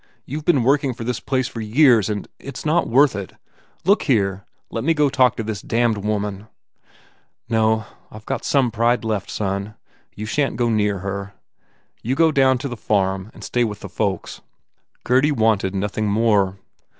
You ve been working for this place for 282 THE WALLING years and It s not worth it ! Look here, let me go talk to this damned woman!" "No. I ve got some pride left, son. You shan t go near her. You go down to the farm and stay with the folks." Gurdy wanted nothing more.